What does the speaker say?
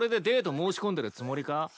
申し込んでるつもりか？